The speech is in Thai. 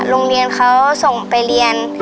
โรงเรียนเขาส่งไปเรียน